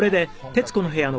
『徹子の部屋』は